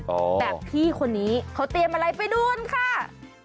แบบพี่คนนี้เขาเตรียมอะไรไปดูกันค่ะ